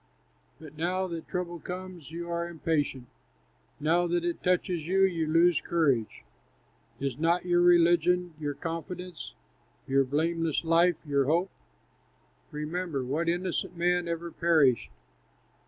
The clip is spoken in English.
But now that trouble comes, you are impatient, Now that it touches you, you lose courage. "Is not your religion your confidence; Your blameless life, your hope? Remember! What innocent man ever perished?